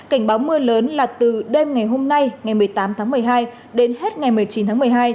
cảnh báo mưa lớn là từ đêm ngày hôm nay ngày một mươi tám tháng một mươi hai đến hết ngày một mươi chín tháng một mươi hai